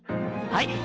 はい！